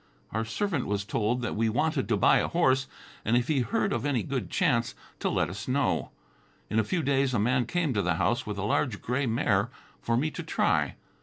Our servant was told that we wanted to buy a horse, and if he heard of any good chance, to let us know. In a few days a man came to the house with a large gray mare for me to try.